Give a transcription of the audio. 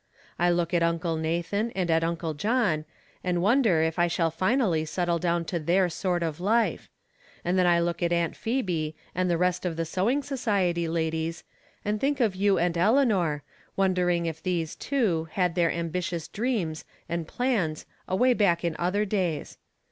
I look at Uncle Nathan and at Uncle John, and wonder if I shall finally settle down to their sort of life; and then' I look at Aunt Phebe and the rest of the sewing society ladies, and think of you and Eleanor, wondering if these, too, had th^l. ambitious dreams "and plans away back in oth^fer .'days.